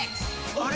あれ？